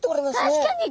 確かに。